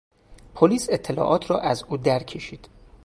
پلیس اطلاعات را از او در کشید.